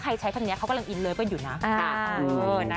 ใครใช้คำนี้เขากำลังอินเลิฟก็อยู่นะ